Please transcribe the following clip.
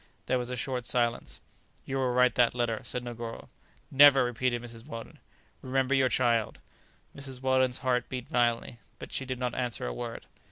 There was a short silence. "You will write that letter," said Negoro. "Never!" repeated Mrs. Weldon. "Remember your child!" Mrs. Weldon's heart beat violently, but she did not answer a word.